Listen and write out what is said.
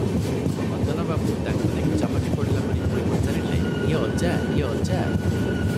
ମଦନ ବାବୁ ତାଙ୍କୁ ଦେଖି ଚମକି ପଡ଼ିଲା ପରି ହୋଇ ପଚାରିଲେ, "ଇଏ ଅଜା, ଇଏ ଅଜା!